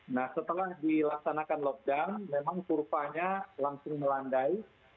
nah setelah dilaksanakan lockdown memang kurvanya langsung melandai